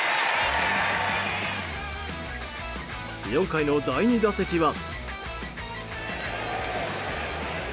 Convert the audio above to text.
４回の第２打席は。